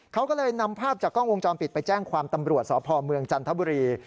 เขาก็เลยนำภาพจากกล้องวงจรปิดไปแจ้งความตำรวจสพเมืองจันทบุรี